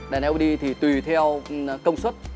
đèn led thì tùy theo công suất